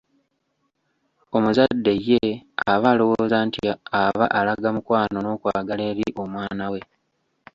Omuzadde ye aba alowooza nti aba alaga mukwano n'okwagala eri omwana we.